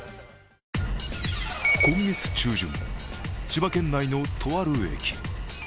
今月中旬、千葉県内のとある駅。